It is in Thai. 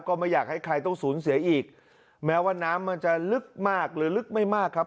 ก็ไม่อยากให้ใครต้องสูญเสียอีกแม้ว่าน้ำมันจะลึกมากหรือลึกไม่มากครับ